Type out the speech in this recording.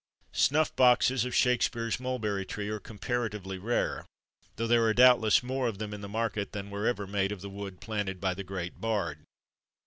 Snuff boxes of Shakspeare's mulberry tree are comparatively rare, though there are doubtless more of them in the market than were ever made of the wood planted by the great bard.